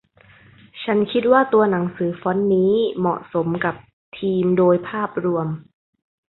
ฉันคิดว่าตัวหนังสือฟอนต์นี้เหมาะสมกับธีมโดยภาพรวม